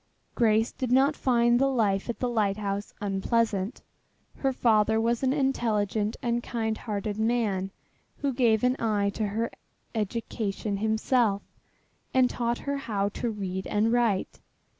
Grace did not find the life at the lighthouse unpleasant. Her father was an intelligent and kind hearted man who gave an eye to her education himself, and taught her how to read and write.